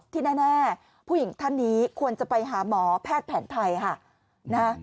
ที่แน่ผู้หญิงท่านนี้ควรจะไปหาหมอแพทย์แผนไทยค่ะ